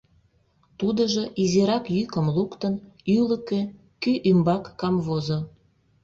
Тудыжо изирак йӱкым луктын ӱлыкӧ кӱ ӱмбак камвозо.